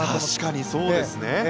確かにそうですね。